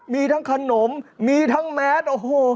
มีทั้งขนมมีทั้งแมสโอ้โห